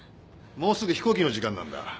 もうすぐ飛行機の時間なんだ。